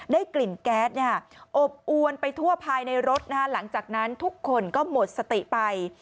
ได้กลิ่นแก๊ตอบอวนไปทั่วภายในรถหลังจากนั้นทุกคนก็หมดสติไป